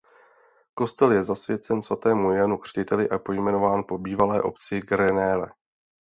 Kostel je zasvěcen svatému Janu Křtiteli a pojmenován po bývalé obci Grenelle.